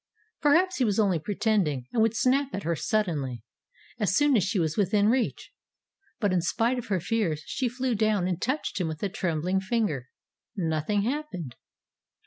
Perhaps he was only pretending, and would snap at her suddenly, as soon as she was within reach. But in spite of her fears she flew down and touched him with a trembling finger. Nothing happened.